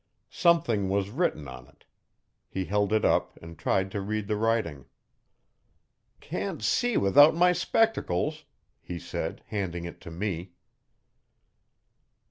Something was written on it. He held it up and tried to read the writing. 'Can't see without my spectacles,' he said, handing it to me.